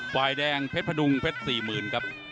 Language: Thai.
ฝ่ายแดงเพชรพดุงเพชร๔๐๐๐ครับ